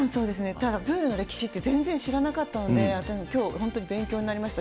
ただ、プールの歴史って全然知らなかったので、きょう、本当に勉強になりました。